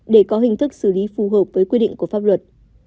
để có hình thức xử lý phù hợp với quy định của pháp luật